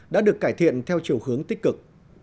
đã được cải thiện theo chiều hướng tích cực